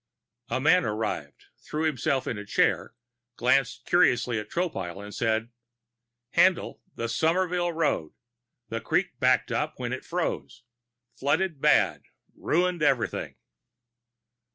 A man arrived, threw himself in a chair, glanced curiously at Tropile and said: "Haendl, the Somerville Road. The creek backed up when it froze. Flooded bad. Ruined everything."